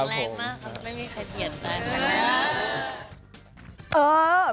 ไม่รู้เหมือนกันนะครับผม